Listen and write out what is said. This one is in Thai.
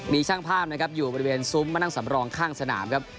มีช่างภาพนะครับอยู่บริเวณซุ้มมานั่งสำรองข้างสนามครับ